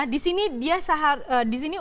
di sini dia seharusnya